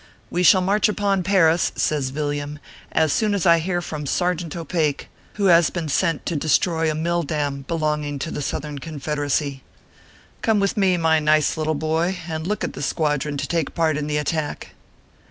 We shall march upon Paris/ says Villiam, "as soon as I hear from Sergeant O Pake, who has been sent to destroy a mill dam belonging to the Southern Confederacy. Come with me, my nice little boy, and look at the squadron to take part in the attack."